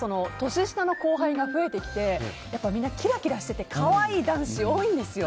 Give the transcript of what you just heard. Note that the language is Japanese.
年下の後輩が増えてきてみんな、キラキラしてて可愛い男子、多いんですよ。